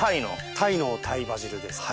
タイのタイバジルです。